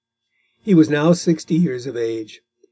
He was now sixty years of age.